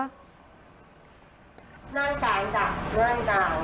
รถลูกหลุดไปจ๋อนายไม่รู้ว่าตัวเองหลับ